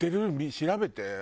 調べて。